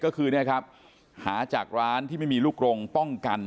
ก็คือเนี่ยครับหาจากร้านที่ไม่มีลูกกรงป้องกัน